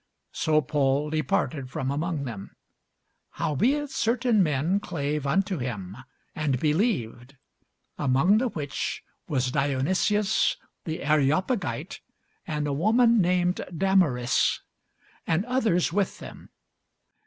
So Paul departed from among them. Howbeit certain men clave unto him, and believed: among the which was Dionysius the Areopagite, and a woman named Damaris, and others with them.